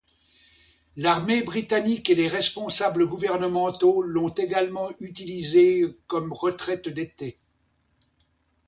L'armée britannique et les responsables gouvernementaux l'ont également utilisée comme retraite d'été.